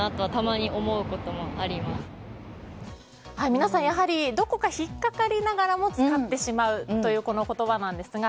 皆さん、やはりどこか引っかかりながらも使ってしまうというこの言葉なんですが。